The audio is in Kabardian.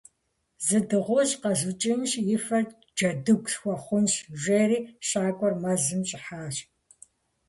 «Зы дыгъужь къэзукӏынщи, и фэр джэдыгу схуэхъунщ!» - жери щакӏуэр мэзым щӏыхьащ.